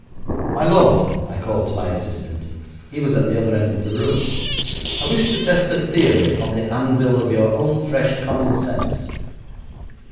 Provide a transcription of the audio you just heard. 'My lord,' I called to my assistant; he was at the other end of the room; 'I wish to test a theory on the anvil of your own fresh common sense.'